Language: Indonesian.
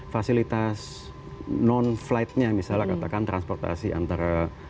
fasilitas non flight nya misalnya katakan transportasi antara